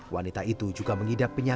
wanita itu juga mengidap penyakit